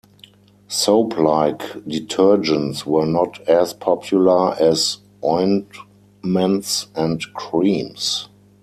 Soap-like detergents were not as popular as ointments and creams.